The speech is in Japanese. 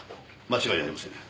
間違いありません。